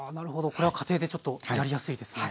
これは家庭でちょっとやりやすいですよね。